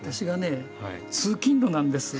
ああ通勤路なんですね。